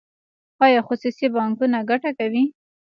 آیا خصوصي بانکونه ګټه کوي؟